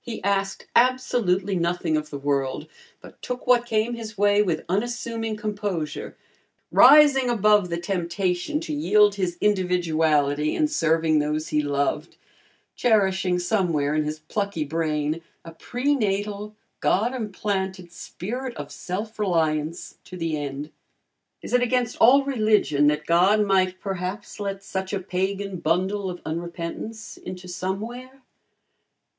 He asked absolutely nothing of the world, but took what came his way with unassuming composure, rising above the temptation to yield his individuality in serving those he loved, cherishing somewhere in his plucky brain a pre natal, God implanted spirit of self reliance to the end. Is it against all religion that God might perhaps let such a pagan bundle of unrepentance into Somewhere?